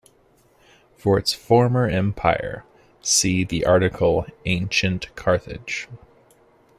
For its former empire, see the article Ancient Carthage.